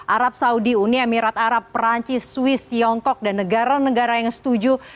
arab saudi uni emirat arab perancis swiss tiongkok dan negara negara yang setuju